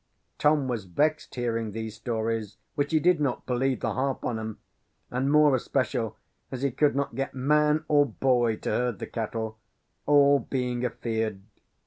"Tom was vexed, hearing these stories; which he did not believe the half on 'em; and more especial as he could not get man or boy to herd the cattle; all being afeared.